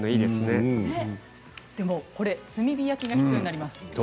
これ炭火焼きが必要になります。